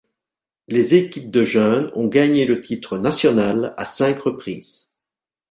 Les équipes de jeunes ont gagné le titre national à cinq reprises.